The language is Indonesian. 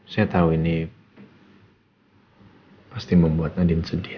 saya tahu ini pasti membuat nadiem sedih